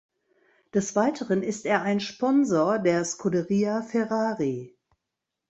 Des Weiteren ist er ein Sponsor der Scuderia Ferrari.